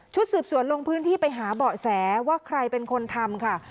สืบสวนลงพื้นที่ไปหาเบาะแสว่าใครเป็นคนทำค่ะ